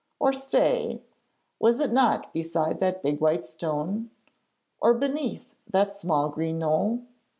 Or stay, was it not beside that big white stone, or beneath that small green knoll?